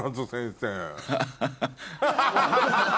ハハハハ！